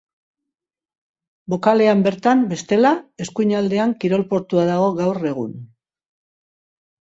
Bokalean bertan, bestela, eskuinaldean kirol portua dago gaur egun.